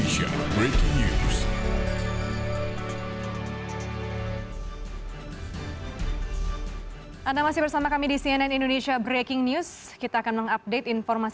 sampai jumpa di video selanjutnya